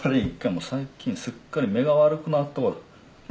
もう最近すっかり目が悪くなっとう。